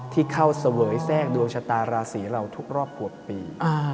ที่เข้าเสวยแทรกดวงชะตาราศีเราทุกรอบ๖ปี